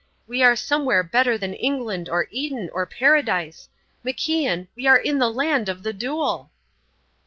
We are somewhere better than England or Eden or Paradise. MacIan, we are in the Land of the Duel!"